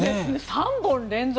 ３本連続。